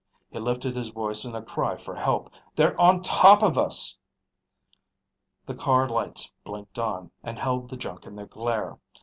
He lifted his voice in a cry for help. "They're on top of us!" The car lights blinked on, and held the junk in their glare.